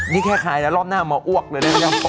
นี่แค่ขายแล้วรอบหน้าหมออวกเลยนะ